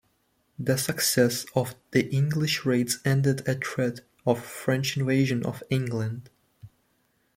The success of the English raids ended a threat of French invasion of England.